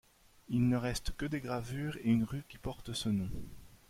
Il ne reste que des gravures et une rue qui porte ce nom.